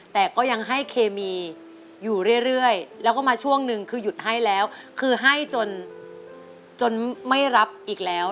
แต่ก็ยังให้เคมีอยู่เรื่อยแล้วก็มาช่วงหนึ่งคือหยุดให้แล้วคือให้จนไม่รับอีกแล้ว